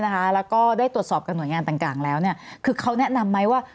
แล้วก็ได้ตรวจสอบกับหน่วยงานต่างแล้วคือเขาแนะนำไหมว่า